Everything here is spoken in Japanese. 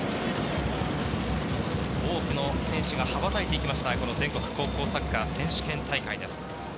多くの選手が羽ばたいていきました、全国高校サッカー選手権大会です。